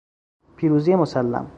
پیروزی مسلم